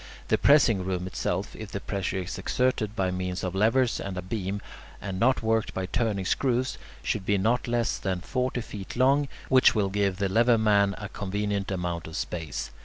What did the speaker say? The pressing room itself, if the pressure is exerted by means of levers and a beam, and not worked by turning screws, should be not less than forty feet long, which will give the lever man a convenient amount of space.